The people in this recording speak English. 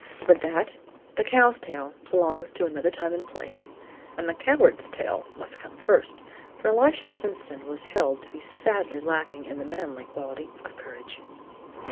But that, the cow's tale, belongs to another time and place, and the coward's tale must come first; for Elisha Simpson was held to be sadly lacking in the manly quality of courage.